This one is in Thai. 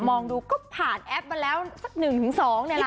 มองดูก็ผ่านแอปมาแล้วสัก๑๒นี่แหละ